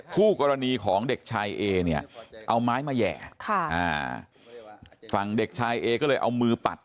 คู่กรณีของเด็กชายเอเนี่ยเอาไม้มาแห่ฝั่งเด็กชายเอก็เลยเอามือปัด